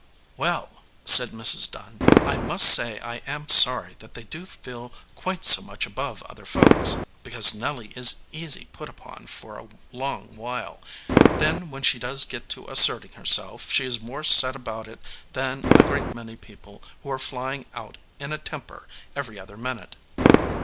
"Well," said Mrs. Dunn, "I must say I am sorry that they do feel quite so much above other folks, because Nelly is easy put upon for a long while, then when she does get to asserting herself she is more set about it than a great many people who are flying out in a temper every other minute.